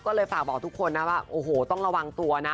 ก็เลยฝากบอกทุกคนต้องระวังตัวนะ